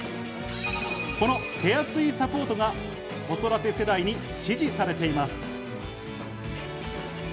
この手厚いサポートが子育て世代に支持されています。